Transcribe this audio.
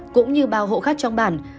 cũng như bao hộ khách trong bàn